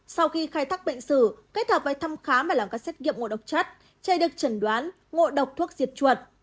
sau khi khai thác bệnh sử kết hợp với thăm khám và làm các xét nghiệm ngộ độc chất chay được trần đoán ngộ độc thuốc diệt chuột